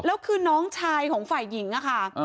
แล้วคือน้องชายของฝ่ายหญิงอะค่ะ